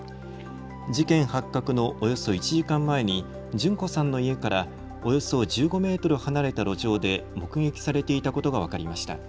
事件発覚のおよそ１時間前に順子さんの家からおよそ１５メートル離れた路上で目撃されていたことが分かりました。